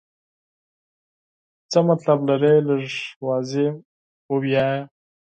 څه مطلب لرې ؟ لږ واضح ووایه.